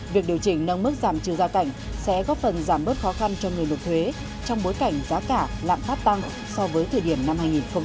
việc điều chỉnh nâng mức giảm trừ gia cảnh sẽ góp phần giảm bớt khó khăn cho người nộp thuế trong bối cảnh giá cả lạm phát tăng so với thời điểm năm hai nghìn một mươi tám